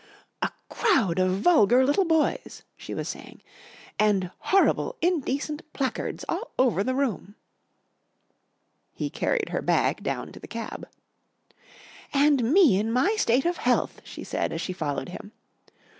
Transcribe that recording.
"A crowd of vulgar little boys," she was saying, "and horrible indecent placards all over the room." He carried her bag down to the cab. "And me in my state of health," she said as she followed him.